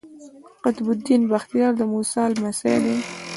قطب الدین بختیار د موسی لمسی دﺉ.